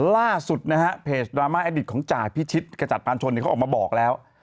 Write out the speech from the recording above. ล่าสุดเพจดราม่าอัดดิตของจากพี่ชิดกระจัดปานชนเขาออกมาบอกแล้ว